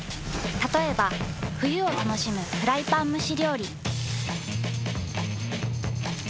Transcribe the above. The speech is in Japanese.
たとえば冬を楽しむフライパン蒸し料理。